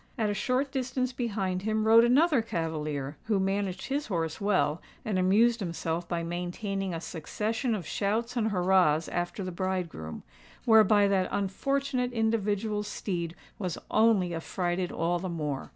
At a short distance behind him rode another cavalier, who managed his horse well, and amused himself by maintaining a succession of shouts and hurrahs after the bridegroom, whereby that unfortunate individual's steed was only affrighted all the more.